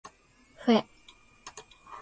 ふぇ